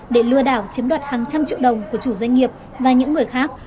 để lừa đảo chiếm đoạt hàng trăm triệu đồng của chủ doanh nghiệp và những người khác